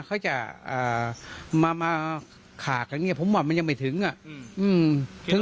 เขาจะเอ่อมามาขากันเนี่ยผมว่ามันยังไม่ถึงอ่ะอืม